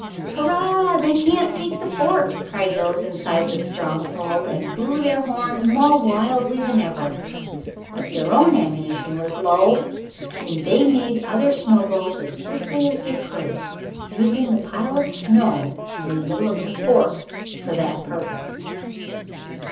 "Hurrah! they can't take the fort!" cried those inside of the stronghold, and blew their horns more wildly than ever. But their own ammunition was low and they made other snowballs as quickly as they could, using the pile of snow in the middle of the fort for that purpose.